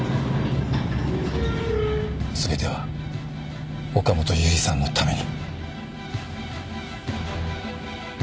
全ては岡本由梨さんのために。